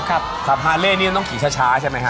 ขับฮาเลนี่ต้องขี่ช้าใช่ไหมครับ